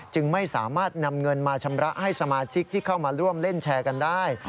จึงไม่สามารถนำเงินมาชำระให้สมาชิกที่เข้ามาร่วมเล่นแชร์กันได้